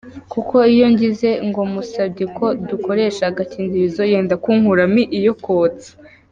Kuko iyo ngize ngo musabye ko dukoresha agakingirizo, yenda kunkuramo iyo kotsa.